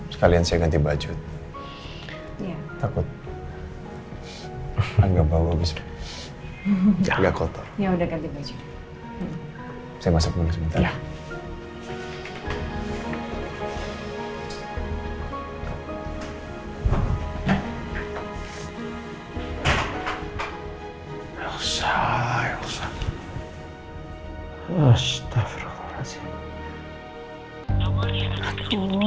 sekalian saya ganti baju takut nggak bau habis ya udah ganti baju saya masak dulu sebentar